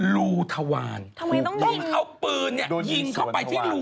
ลูทวาร